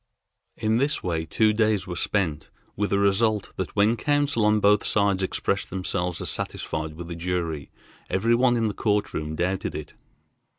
In this way two days were spent, with a result that when counsel on both sides expressed themselves as satisfied with the jury, every one in the court room doubted it.